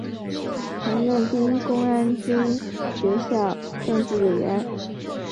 曾任第一公安军学校政治委员。